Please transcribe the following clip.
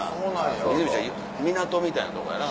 湖ちゃう港みたいなとこやな。